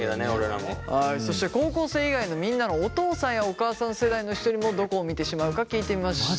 はいそして高校生以外のみんなのお父さんやお母さん世代の人にもどこを見てしまうか聞いてみました。